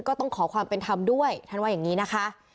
ก็ต้องขอความเป็นธรรมด้วยท่านว่าอย่างนี้นะคะ